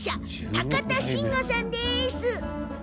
高田信吾さんです。